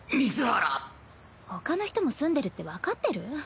ほかの人も住んでるって分かってる？